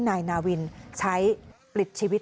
นายนาวินใช้ปลิดชีวิต